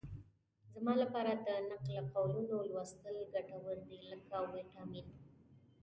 زما لپاره د نقل قولونو لوستل ګټور دي لکه ویټامین.